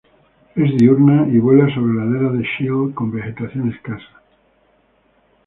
Es diurna y vuela sobre laderas de shale con vegetación escasa.